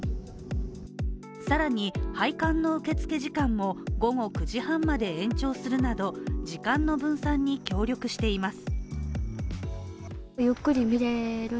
更に、拝観の受付時間も午後９時半まで延長するなど時間の分散に協力しています。